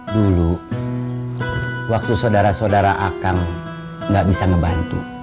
dulu waktu saudara saudara akang gak bisa ngebantu